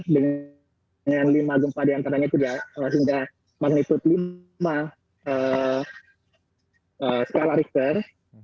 dengan lima gempa di antaranya sudah magnitudo lima skala richter